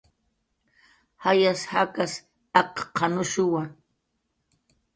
"Jayas jakas akq""anushuwa"